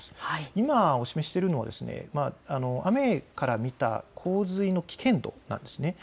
今、示しているのは雨から見た洪水の危険度なんです。